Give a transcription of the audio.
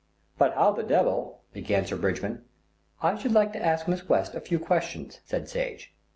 "But how the devil " began Sir Bridgman. "I should like to ask Miss West a few questions," said Sage.